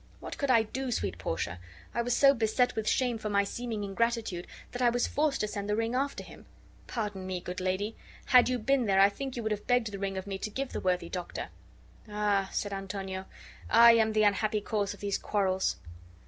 What could I do, sweet Portia? I was so beset with shame for my seeming ingratitude that I was forced to send the ring after him. Pardon me, good lady. Had you been there, I think you would have begged the ring of me to give the worthy doctor." "Ah!" said Antonio, "I am the unhappy cause of these quarrels."